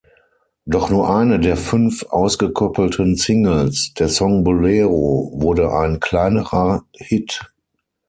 Doch nur eine der fünf ausgekoppelten Singles, der Song "Bolero", wurde ein kleinerer Hit.